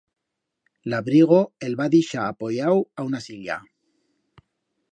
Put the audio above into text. L'abrigo el va dixar apoyau a una silla.